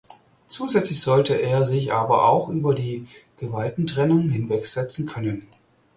Zusätzlich sollte er sich aber auch über die Gewaltentrennung hinwegsetzen können.